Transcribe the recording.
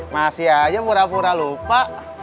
masih aja pura pura lupa